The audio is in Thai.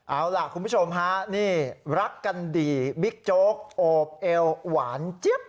เอาล่ะคุณผู้ชมฮะนี่รักกันดีบิ๊กโจ๊กโอบเอวหวานเจี๊ยบ